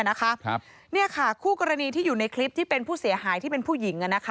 นี่ค่ะคู่กรณีที่อยู่ในคลิปที่เป็นผู้เสียหายที่เป็นผู้หญิง